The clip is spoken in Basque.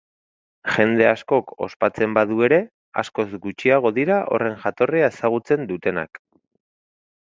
Jende askok ospatzen badu ere, askoz gutxiago dira horren jatorria ezagutzen dutenak.